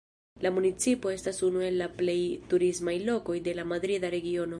La municipo estas unu el la plej turismaj lokoj de la Madrida Regiono.